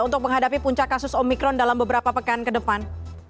untuk menghadapi puncak kasus omikron dalam beberapa pekan ke depan